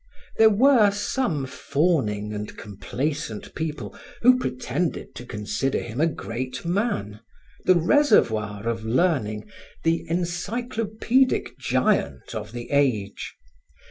There were some fawning and complacent people who pretended to consider him a great man, the reservoir of learning, the encyclopedic giant of the age.